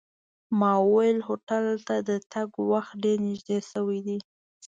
ما وویل هوټل ته د تګ وخت ډېر نږدې شوی دی.